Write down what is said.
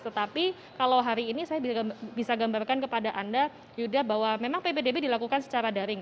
tetapi kalau hari ini saya bisa gambarkan kepada anda yuda bahwa memang ppdb dilakukan secara daring